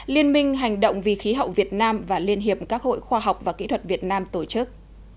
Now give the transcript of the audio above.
liên minh hành động vì khí hậu việt nam và liên hiệp các hội khoa học và kỹ thuật việt nam tổ chức